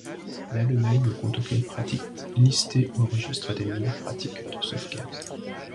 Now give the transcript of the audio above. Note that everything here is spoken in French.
L'Allemagne ne compte aucune pratique listée au registre des meilleures pratiques de sauvegarde.